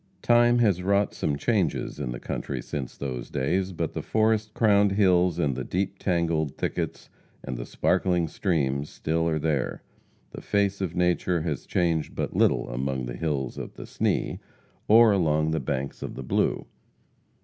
Time has wrought some changes in the country since those days; but the forest crowned hills and the deep, tangled thickets, and the sparkling streams still are there. The face of Nature has changed but little among the hills of the Sni, or along the banks of the Blue.